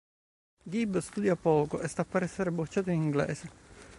Gib studia poco e sta per essere bocciato in inglese.